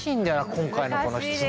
今回のこの質問。